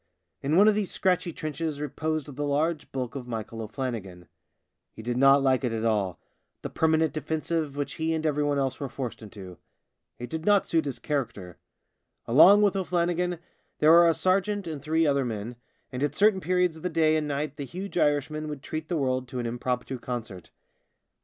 In one of these scratchy trenches reposed the large bulk of Michael O'Flannigan. He THE SIXTH DRUNK 83 did not like it at all — the permanent defensive which he and everyone else were forced into. It did not suit his character. Along with O'Flannigan there were a sergeant and three other men, and at certain periods of the day and night the huge Irishman would treat the world to an impromptu concert.